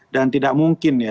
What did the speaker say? dan tidak mungkin ya